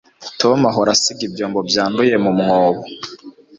tom ahora asiga ibyombo byanduye mumwobo